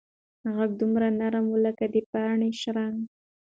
غږ دومره نرم و لکه د پاڼو شرنګ.